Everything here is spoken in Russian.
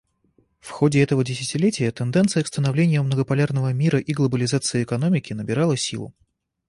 В ходе этого десятилетия тенденция к становлению многополярного мира и глобализации экономики набирала силу.